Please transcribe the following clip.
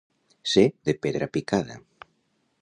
Ser de pedra picada.